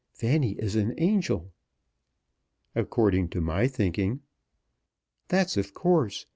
Fanny is an angel." "According to my thinking." "That's of course.